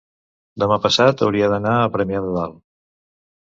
demà passat hauria d'anar a Premià de Dalt.